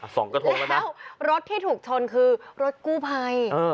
สองกระทงแล้วนะแล้วรถที่ถูกชนคือรถกู้ภัยเออ